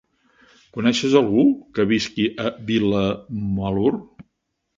Coneixes algú que visqui a Vilamalur?